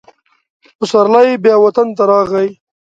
پسرلی بیا وطن ته راغی.